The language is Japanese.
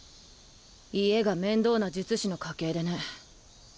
家が面倒な術師の家系でね